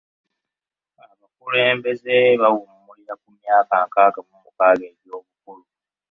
Abakulembeze bawummulira ku myaka nkaaga mu mukaaga egy'obukulu.